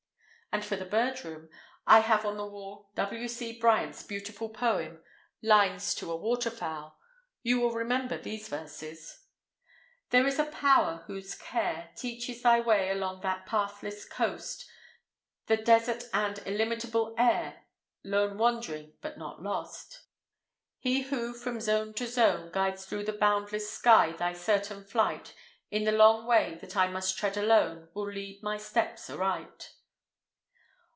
And for the Bird room, I have on the wall W. C. Bryant's beautiful poem, "Lines to a Waterfowl." You will remember these verses:— There is a Power whose care Teaches thy way along that pathless coast, The desert and illimitable air— Lone wandering, but not lost. He who, from zone to zone, Guides through the boundless sky thy certain flight, In the long way that I must tread alone Will lead my steps aright.